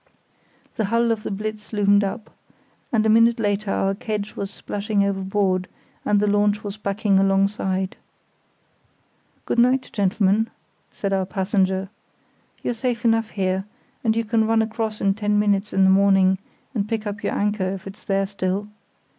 The hull of the Blitz loomed up, and a minute later our kedge was splashing overboard and the launch was backing alongside. "Good night, gentlemen," said our passenger. "You're safe enough here, and you can run across in ten minutes in the morning and pick up your anchor, if it's there still.